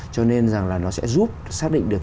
cho nên nó sẽ giúp xác định được